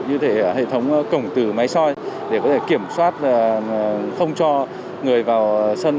như thể hệ thống cổng từ máy soi để có thể kiểm soát không cho người vào sân